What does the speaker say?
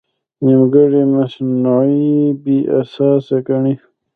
نیمګړی مصنوعي بې اساسه ګڼي.